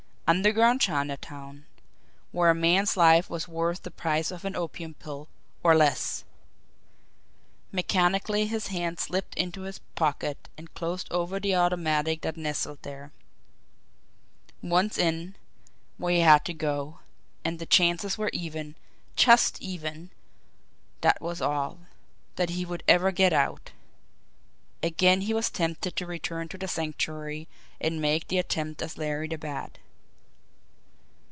Underground Chinatown where a man's life was worth the price of an opium pill or less! Mechanically his hand slipped into his pocket and closed over the automatic that nestled there. Once in where he had to go and the chances were even, just even, that was all, that he would ever get out. Again he was tempted to return to the Sanctuary and make the attempt as Larry the Bat.